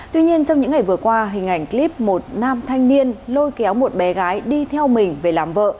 tuy nhiên trong những ngày vừa qua hình ảnh clip một nam thanh niên lôi kéo một bé gái đi theo mình về làm vợ